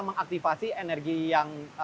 mengaktifasi energi yang